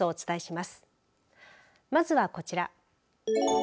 まずはこちら。